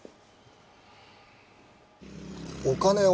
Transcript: お金を？